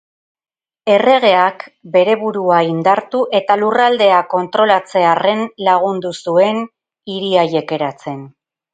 Erregeak, bere burua indartu eta lurraldea kontrolatzearren lagundu zuen hiri haiek eratzen.